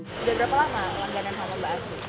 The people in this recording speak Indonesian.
sudah berapa lama langganan sama mbak aziz